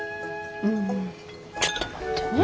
んちょっと待ってね。